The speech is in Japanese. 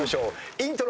イントロ。